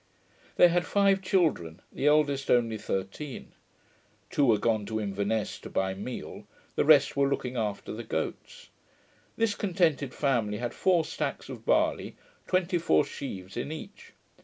They had five children, the eldest only thirteen. Two were gone to Inverness to buy meal; the rest were looking after the goats. This contented family had four stacks of barley, twenty four sheaves in each.